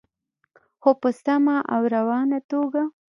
خو په سمه او روانه توګه.